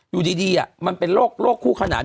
อยู่ดีมันเป็นโรคคู่ขนาน